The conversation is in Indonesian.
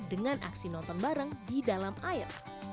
dengan aksi nonton bareng di dalam air